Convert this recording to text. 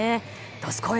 どすこい！